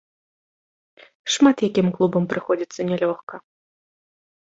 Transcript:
Шмат якім клубам прыходзіцца нялёгка.